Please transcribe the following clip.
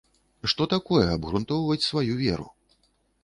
Што такое абгрунтоўваць сваю веру?